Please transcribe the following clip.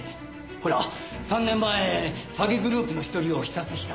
ほら３年前詐欺グループの一人を刺殺した。